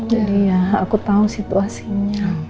jadi ya aku tau situasinya